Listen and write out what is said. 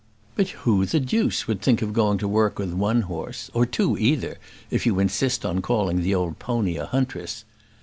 "But who the deuce would think of going to work with one horse; or two either, if you insist on calling the old pony a huntress?